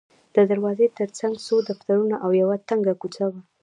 د دروازې ترڅنګ څو دفترونه او یوه تنګه کوڅه وه.